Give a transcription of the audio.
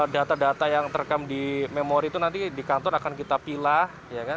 data data yang terekam di memori itu nanti di kantor akan kita pilih